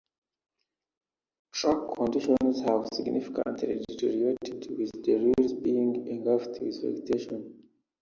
Track conditions have significantly deteriorated with the rails being engulfed with vegetation.